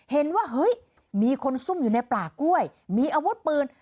เห็นว่าเฮ้ยมีคนซุ่มอยู่ในป่ากล้วยมีอาวุธปืน